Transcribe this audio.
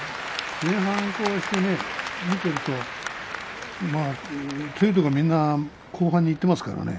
前半見ていると強いところはみんな後半にいっていますからね。